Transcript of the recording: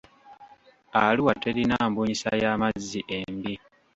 Arua terina mbunyisa y'amazzi embi.